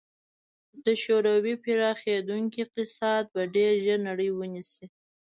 د شوروي پراخېدونکی اقتصاد به ډېر ژر نړۍ ونیسي.